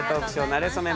なれそめ」